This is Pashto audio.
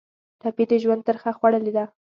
ټپي د ژوند ترخه خوړلې ده.